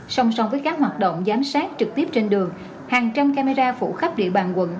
song song với các hoạt động giám sát trực tiếp trên đường hàng trăm camera phủ khắp địa bàn quận